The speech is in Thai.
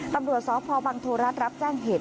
ตำรวจสพบังโทรรัฐรับแจ้งเหตุ